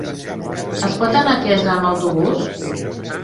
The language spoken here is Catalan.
Es pot anar a Quesa amb autobús?